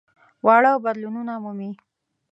واړه بدلونونه مومي.